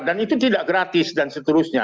dan itu tidak gratis dan seterusnya